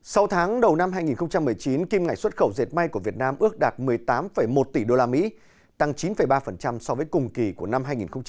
sau tháng đầu năm hai nghìn một mươi chín kim ngải xuất khẩu dệt may của việt nam ước đạt một mươi chín ba so với cùng kỳ của năm hai nghìn một mươi tám